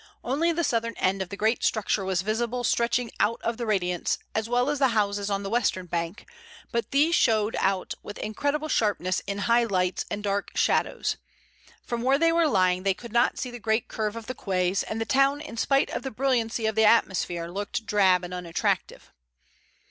Only the southern end of the great structure was visible stretching out of the radiance, as well as the houses on the western bank, but these showed out with incredible sharpness in high lights and dark shadows. From where they were lying they could not see the great curve of the quays, and the town in spite of the brilliancy of the atmosphere looked drab and unattractive.